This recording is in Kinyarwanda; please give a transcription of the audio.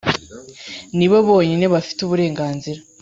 Nibo bonyine bafite uburenganzira